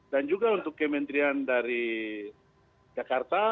dan juga untuk kementerian dari jakarta